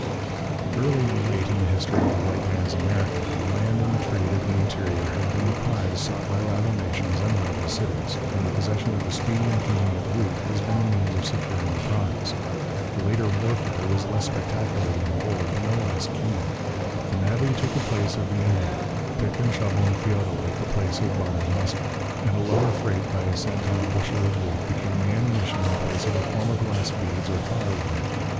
Early and late in the history of the white man's America the land and the trade of the interior have been the prize sought by rival nations and rival cities, and the possession of a speedy and convenient route has been the means of securing the prize. The later warfare was less spectacular than the old, but no less keen. The navvy took the place of the Indian, pick and shovel and theodolite the place of bow and musket, and a lower freight by a cent on a bushel of wheat became the ammunition in place of the former glass beads or fire water.